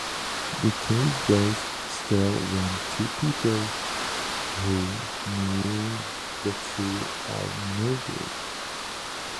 The case goes stale when two people who knew the truth are murdered.